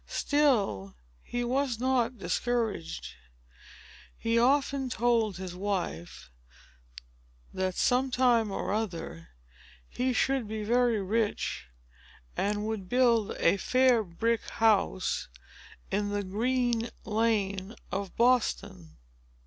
Still, he was not discouraged. He often told his wife that, some time or other, he should be very rich, and would build a "fair brick house" in the Green Lane of Boston.